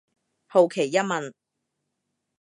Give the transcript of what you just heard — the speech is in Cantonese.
好奇一問